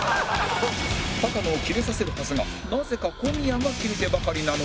高野をキレさせるはずがなぜか小宮がキレてばかりなので